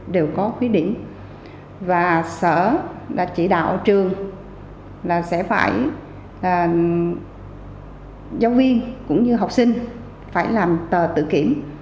đều có khuyết điểm và sở đã chỉ đạo trường là sẽ phải giáo viên cũng như học sinh phải làm tờ tự kiểm